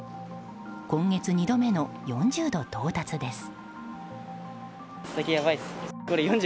今月２度目の４０度到達です。